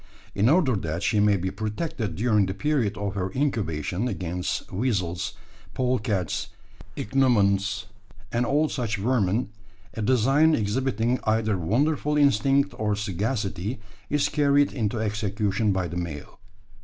In order that she may be protected during the period of her incubation against weasels, polecats, ichneumons, and all such vermin, a design exhibiting either wonderful instinct or sagacity, is carried into execution by the male.